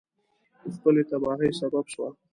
د خپلې تباهی سبب سوه.